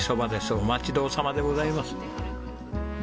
おまちどおさまでございます。